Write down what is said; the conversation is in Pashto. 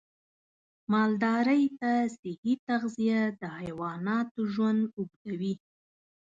مالدارۍ ته صحي تغذیه د حیواناتو ژوند اوږدوي.